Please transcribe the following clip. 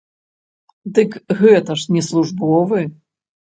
Дык гэта ж не службовы!